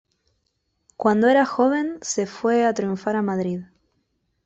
Cuando era joven se fue a triunfar a Madrid.